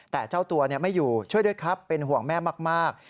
แต่เจ้าตัวไม่อยู่ช่วยด้วยครับเป็นห่วงแม่มาก